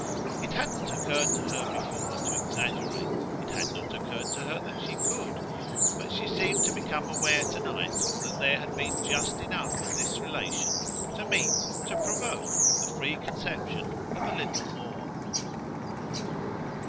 It hadn't occurred to her before to exaggerate it had not occurred to her that she could; but she seemed to become aware to night that there had been just enough in this relation to meet, to provoke, the free conception of a little more.